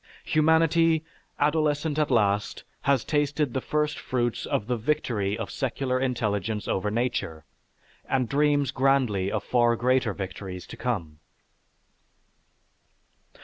Humanity, adolescent at last, has tasted the first fruits of the victory of secular intelligence over nature, and dreams grandly of far greater victories to come.